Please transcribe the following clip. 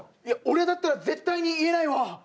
いや俺だったら絶対に言えないわ。